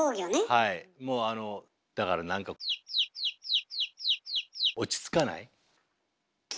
はいもうあのだから何か落ち着かない。